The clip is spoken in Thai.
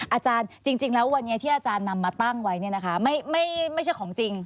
อาจารย์จริงแล้ววันนี้ที่อาจารย์นำมาตั้งไว้เนี่ยนะคะไม่ใช่ของจริง